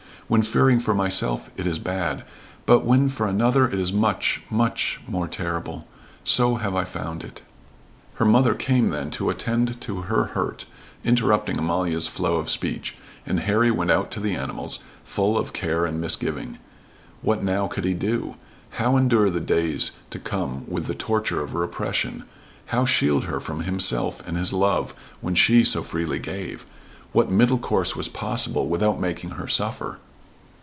When fearing for myself, it is bad, but when for another it is much much more terrible. So have I found it." Her mother came then to attend to her hurt, interrupting Amalia's flow of speech, and Harry went out to the animals, full of care and misgiving. What now could he do? How endure the days to come with their torture of repression? How shield her from himself and his love when she so freely gave? What middle course was possible, without making her suffer?